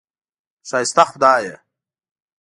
ښایسته خدایه!